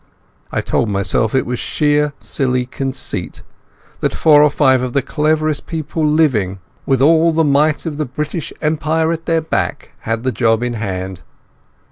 I told myself it was sheer silly conceit, that four or five of the cleverest people living, with all the might of the British Empire at their back, had the job in hand.